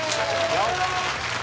よっ！